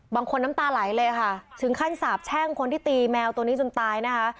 น้ำตาไหลเลยค่ะถึงขั้นสาบแช่งคนที่ตีแมวตัวนี้จนตายนะคะ